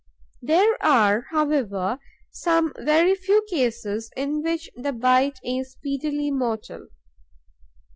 There are, however, some very few cases in which the bite is speedily mortal.